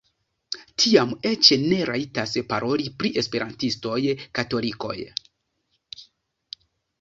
Tiam eĉ ne rajtis paroli pri esperantistoj-katolikoj.